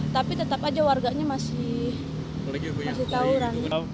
tapi tetap aja warganya masih tawuran